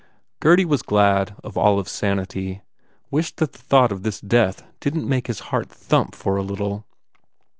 Gurdy was glad of Olive s sanity, wished that the thought of this death didn t make his heart thump for a little.